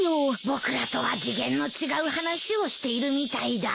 僕らとは次元の違う話をしているみたいだ。